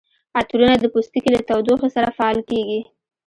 عطرونه د پوستکي له تودوخې سره فعال کیږي.